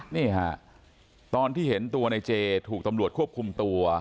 นี่ฮะตอนที่เห็นตัวในเจถูกตำรวจควบคุมตัว